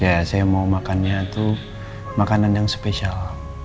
ya saya mau makannya itu makanan yang spesial